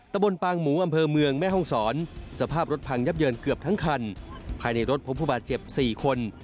ตะบนปางหมูอำเภอเมืองแม่ห้องศรสภาพรถพังยับเยินเกือบทั้งคันภายในรถพบผู้บาดเจ็บ๔คน